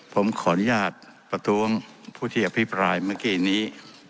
ผมขออนุญาตประท้วงผู้ที่อภิปรายเมื่อกี้นี้